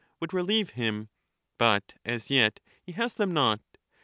would relieve him; but as yet he has them not.